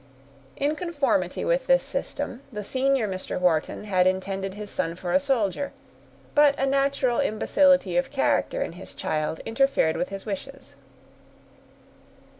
In conformity with this system, the senior Mr. Wharton had intended his son for a soldier; but a natural imbecility of character in his child interfered with his wishes.